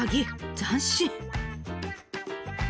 斬新。